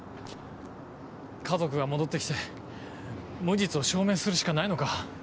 家族が戻って来て無実を証明するしかないのか。